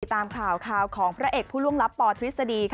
ตามข่าวของพระเอกผู้ล่วงลับปทฤษฎี